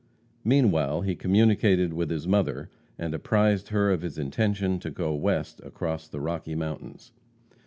Meanwhile he communicated with his mother and apprised her of his intention to go West across the Rocky Mountains.